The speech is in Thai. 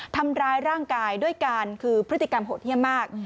ทำร้ายร่างกายด้วยการคือพฤติกรรมโหดเยี่ยมมาก